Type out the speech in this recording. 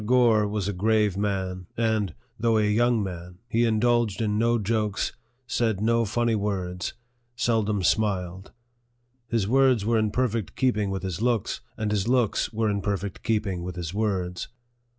Gore was a grave man, and, though a young man, he indulged in no jokes, said no funny words, seldom smiled. His words were in perfect keeping with his looks, and his looks were in perfect keeping with his words.